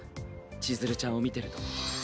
ちづるちゃんを見てると。